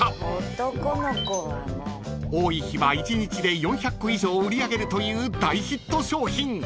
［多い日は１日で４００個以上売り上げるという大ヒット商品］